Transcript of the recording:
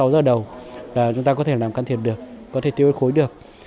sáu giờ đầu là chúng ta có thể làm can thiệp được có thể tiêu hơi khối được